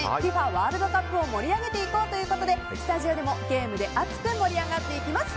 ワールドカップを盛り上げていこうということでスタジオでもゲームで熱く盛り上がっていきます。